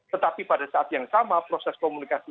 tetapi pada saat yang sama proses komunikasi